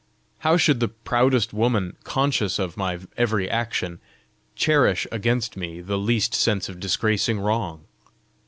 How should the proudest woman, conscious of my every action, cherish against me the least sense of disgracing wrong?